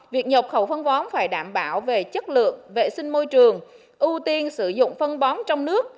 việc nhập khẩu phân bón phải đảm bảo về chất lượng vệ sinh môi trường ưu tiên sử dụng phân bón trong nước